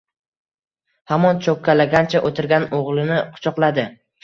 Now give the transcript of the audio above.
Hamon cho‘kkalagancha o‘tirgan o‘g‘lini quchoqladi.